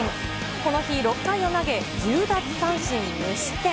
この日、６回を投げ、１０奪三振無失点。